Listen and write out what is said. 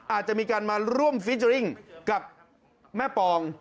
อาจจะมีการมาร่วมฟิเจอร์ริ่งกับแม่ปอง